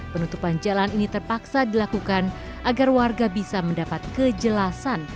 penutupan jalan ini terpaksa dilakukan agar warga bisa mendapat kejelasan